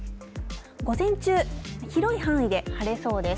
午前中広い範囲で晴れそうです。